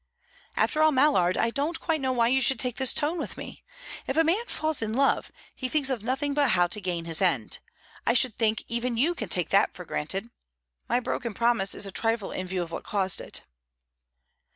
"After all, Mallard, I don't quite know why you should take this tone with me. If a man falls in love, he thinks of nothing but how to gain his end; I should think even you can take that for granted. My broken promise is a trifle in view of what caused it."